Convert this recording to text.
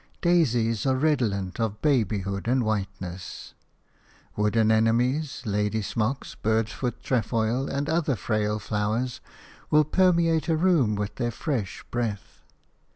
Daisies are redolent of babyhood and whiteness. Wood anemones, lady's smock, bird's foot trefoil and other frail flowers will permeate a room with their fresh breath.